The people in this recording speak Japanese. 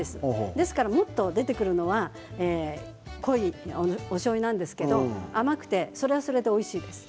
ですからもっと、出てくるのは濃いおしょうゆなんですけど甘くてそれはそれでおいしいです。